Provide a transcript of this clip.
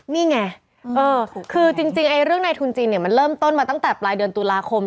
นี่ไงคือจริงเรื่องในทุนจีนเนี่ยมันเริ่มต้นมาตั้งแต่ปลายเดือนตุลาคม